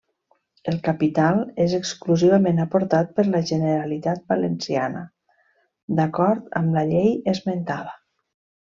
El capital és exclusivament aportat per la Generalitat Valenciana, d'acord amb la llei esmentada.